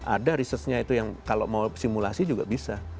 ada researchnya itu yang kalau mau simulasi juga bisa